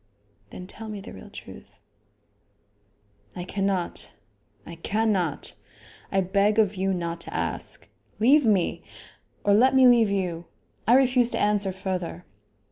"Then tell me the real truth." "I cannot; I cannot. I beg of you not to ask. Leave me! or let me leave you. I refuse to answer further."